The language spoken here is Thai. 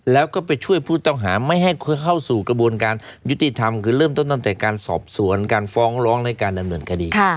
แล้วก็ไปช่วยผู้ต้องหาไม่ให้เข้าสู่กระบวนการยุติธรรมคือเริ่มต้นตั้งแต่การสอบสวนการฟ้องร้องในการดำเนินคดี